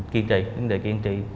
kiên trì vấn đề kiên trì